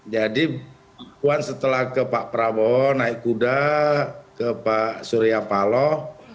jadi puan setelah ke pak prabowo naik kuda ke pak surya paloh